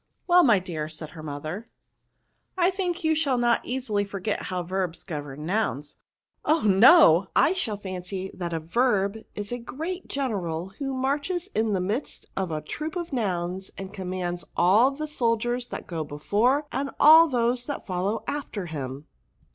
'* Well, my dear," said her mother, " I o 3 think you will not easily forget how vexhs govern nouns. " Oh ! no ; I shall fancy that a verb is a great general, who marches in the midst of a troop of nouns, and commands all the soldiers that go before, and all those that follow after him."